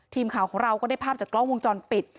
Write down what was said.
ทีมข่าวของเราก็ได้ภาพจากกล้องวงจรปิด